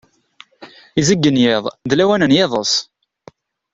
Izeggen yiḍ, d lawan n yiḍes.